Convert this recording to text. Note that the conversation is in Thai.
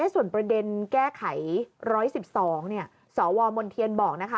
ส่วนประเด็นแก้ไข๑๑๒สวมนเทียนบอกนะคะ